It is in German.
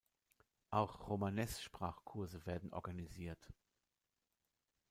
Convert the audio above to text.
Auch Romanes-Sprachkurse werden organisiert.